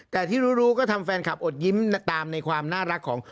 แต่ที่รู้ก็ทำแฟนคลับอดยิ้มตามในความน่ารักของ